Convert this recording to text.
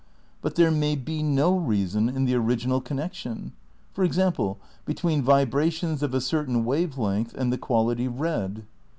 But there may be no reason in the original connec tion ; for example, between vibrations of a certain wave length and the quality red.